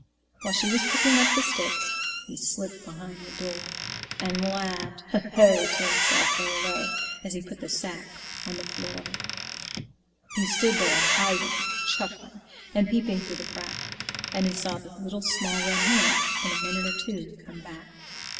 While she was picking up the sticks He slipped behind the door, And laughed "Ho! Ho!" to himself, very low, As he put the sack on the floor. He stood there, hiding and chuckling, And peeping through the crack, And he saw the Little Small Red Hen, In a minute or two, come back.